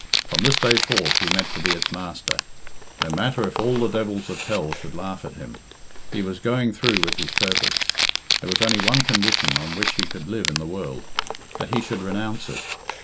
From this day forth he meant to be its master. No matter if all the devils of hell should laugh at him! He was going through with his purpose. There was only one condition on which he could live in the world that he should renounce it.